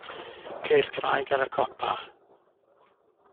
Ceir craig ar y copa.